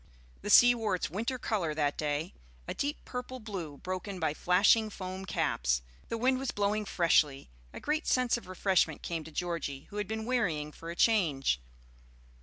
The sea wore its winter color that day, a deep purple blue, broken by flashing foam caps; the wind was blowing freshly; a great sense of refreshment came to Georgie, who had been wearying for a change.